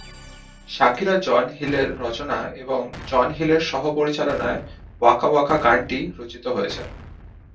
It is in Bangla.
শাকিরা-জন হিলের রচনা এবং জন হিলের সহ-পরিচালনায় ওয়াকা ওয়াকা গানটি রচিত হয়েছে।